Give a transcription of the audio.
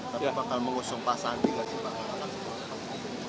tapi bakal mengusung pasadi gak sih pak